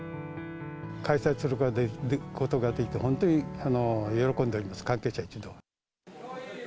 開催することができて、本当に喜んでおります、関係者一同。